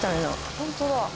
本当だ。